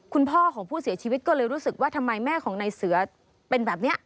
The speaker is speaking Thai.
คุณพ่อของผู้เสียชีวิตก็เลยรู้สึกว่าทำไมแม่ของนายเสือเป็นแบบนี้